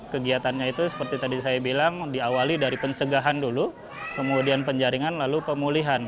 kegiatannya itu seperti tadi saya bilang diawali dari pencegahan dulu kemudian penjaringan lalu pemulihan